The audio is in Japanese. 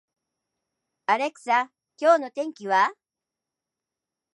アレクサ、今日の天気は